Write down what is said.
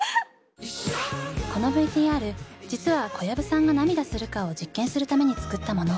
このＶＴＲ実は小籔さんが涙するかを実験するために作ったもの。